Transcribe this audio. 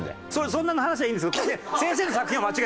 そんな話はいいんです。